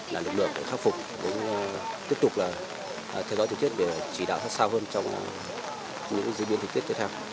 là lực lượng để khắc phục tiếp tục theo dõi thực tiết để chỉ đạo sát sao hơn trong những di biến thực tiết tiếp theo